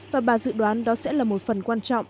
và bà dự đoán đó sẽ là một phần quan trọng